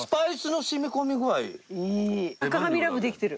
坂上ラブできてる。